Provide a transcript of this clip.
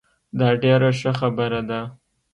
دا ډیره ښه خبره ده